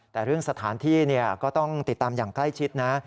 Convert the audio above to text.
แต่เรื่องสถานที่ก็ต้องติดตามอย่างใกล้ชิดนะ